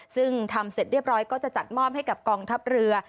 ซึ่งทำเสร็จเรียบร้อยก็จะจัดมอบให้กับกองทัพเรือ